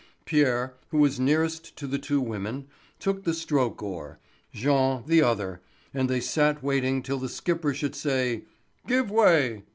Pierre, who was nearest to the two women, took the stroke oar, Jean the other, and they sat waiting till the skipper should say: "Give way!"